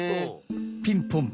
ピンポン！